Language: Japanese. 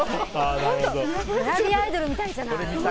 グラビアアイドルみたいじゃない。